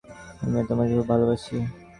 আমিও তোমাকে খুব ভালোবাসি।